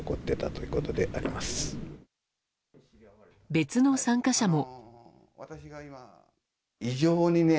別の参加者も。